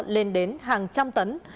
lên đến hàng trăm tấn